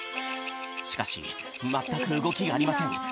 しかしまったくうごきがありません。